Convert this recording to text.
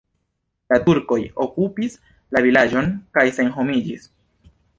La turkoj okupis la vilaĝon kaj senhomiĝis.